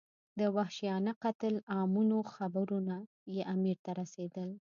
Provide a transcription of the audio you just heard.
د وحشیانه قتل عامونو خبرونه یې امیر ته رسېدل.